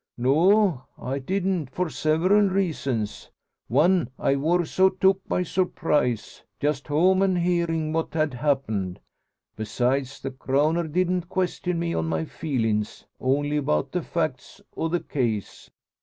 "No, I didn't; for several reasons. One, I wor so took by surprise, just home, an' hearin' what had happened. Besides, the crowner didn't question me on my feelins only about the facts o' the case.